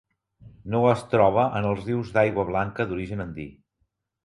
No es troba en els rius d'aigua blanca d'origen andí.